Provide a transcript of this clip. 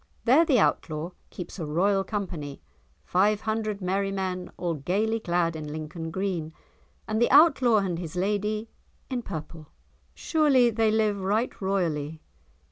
There the Outlaw keeps a royal company—five hundred merry men, all gaily clad in Lincoln green, and the Outlaw and his lady in purple. Surely they live right royally.